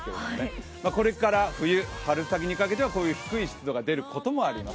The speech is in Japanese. これから冬、春先にかけてはこういう低い湿度が出ることもあります。